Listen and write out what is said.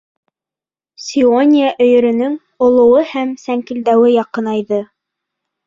Сиония өйөрөнөң олоуы һәм сәңкелдәүе яҡынайҙы.